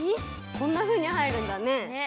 こんなふうにはえるんだね。